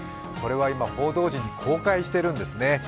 これは今、報道陣に公開しているんですね。